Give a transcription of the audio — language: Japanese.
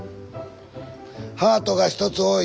ハートが１つ多い。